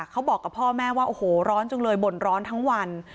เขาบอกกับพ่อแม่ว่าโอ้โหร้อนจังเลยบ่นร้อนทั้งวัน